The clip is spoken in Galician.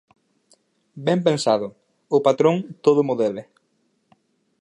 Ben pensado, o patrón todo mo debe.